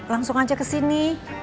langsung aja kesini